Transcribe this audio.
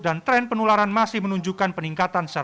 dan tren penularan masih menunjukkan peningkatan sehat